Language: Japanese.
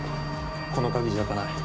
この鍵じゃ開かない。